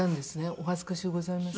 お恥ずかしゅうございます。